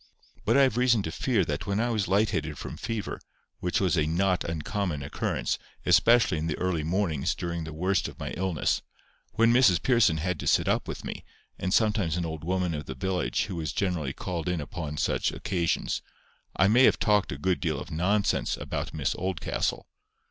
But I have reason to fear that when I was light headed from fever, which was a not uncommon occurrence, especially in the early mornings during the worst of my illness—when Mrs Pearson had to sit up with me, and sometimes an old woman of the village who was generally called in upon such occasions—I may have talked a good deal of nonsense about Miss Oldcastle.